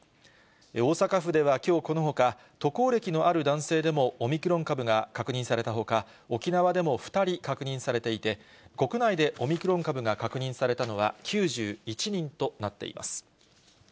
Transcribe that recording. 大阪府ではきょう、このほか、渡航歴のある男性でもオミクロン株が確認されたほか、沖縄でも２人確認されていて、国内でオミクロン株が確認されたのは９１人となっています。